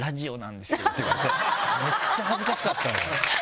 めっちゃ恥ずかしかったの。